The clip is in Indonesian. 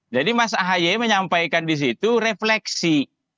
jadi mas ahi menyampaikan di situ refleksi